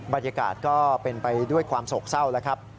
บรรยากาศก็เป็นไปด้วยความโศกเศร้าแล้วครับ